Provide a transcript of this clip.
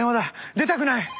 出たくない。